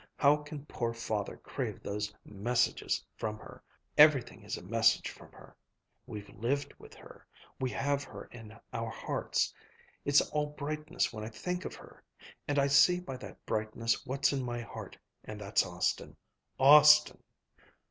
How can poor Father crave those 'messages' from her! Everything is a message from her. We've lived with her. We have her in our hearts. It's all brightness when I think of her. And I see by that brightness what's in my heart, and that's Austin ... Austin!"